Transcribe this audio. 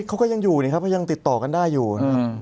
เขาก็ยังอยู่นี่ครับเขายังติดต่อกันได้อยู่นะ